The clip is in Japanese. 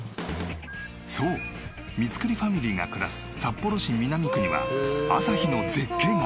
そう三栗ファミリーが暮らす札幌市南区には朝日の絶景が。